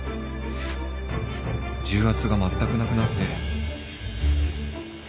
重圧がまったくなくなって